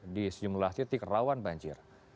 di sejumlah titik rawan banjir